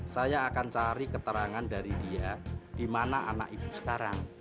saya akan cari keterangan dari dia di mana anak ibu sekarang